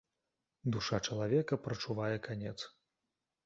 Душа чалавека прачувае канец.